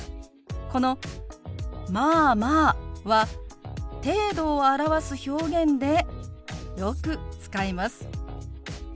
この「まあまあ」は程度を表す表現でよく使います。